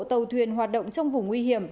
tàu thuyền hoạt động trong vùng nguy hiểm